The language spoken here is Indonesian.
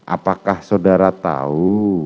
apakah saudara tahu